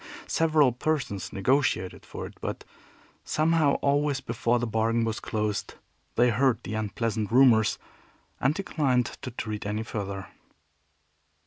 Several persons negotiated for it; but, somehow, always before the bargain was closed they heard the unpleasant rumors and declined to treat any further.